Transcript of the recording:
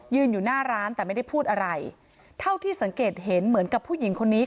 อยู่หน้าร้านแต่ไม่ได้พูดอะไรเท่าที่สังเกตเห็นเหมือนกับผู้หญิงคนนี้